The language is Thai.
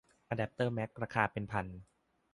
อะแดปเตอร์แมคราคาเป็นพัน